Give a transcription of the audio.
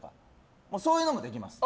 そういうのもできますよ。